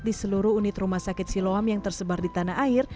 di seluruh unit rumah sakit siloam yang tersebar di tanah air